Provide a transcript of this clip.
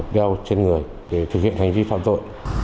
đeo trên người để thực hiện hành vi phạm tội